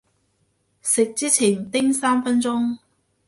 食之前叮三分鐘